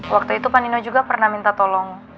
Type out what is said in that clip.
waktu itu panino juga pernah minta tolong